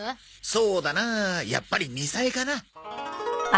そうだなあやっぱりみさえかな。